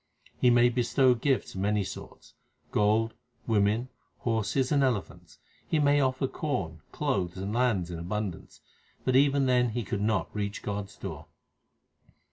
HYMNS OF GURU ARJAN 361 He may bestow gifts of many sorts gold, women, horses, and elephants ; He may offer corn, clothes, and lands in abundance ; but even then he could not reach God s door.